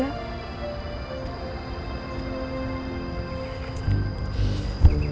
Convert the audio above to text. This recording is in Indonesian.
masasihbeitetah kita di rumah slides